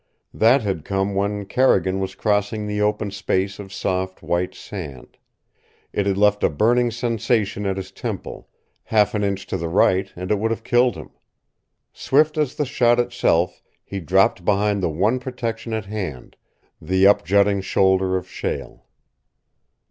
That had come when Carrigan was crossing the open space of soft, white sand. It had left a burning sensation at his temple half an inch to the right and it would have killed him. Swift as the shot itself, he dropped behind the one protection at hand, the up jutting shoulder of shale.